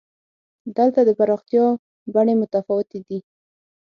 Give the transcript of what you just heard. دلته د پراختیا بڼې متفاوتې دي.